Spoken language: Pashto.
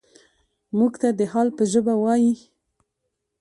موږ ته د حال په ژبه وايي.